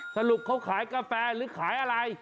สรุปเขาขายกาแฟหรือขายอะไร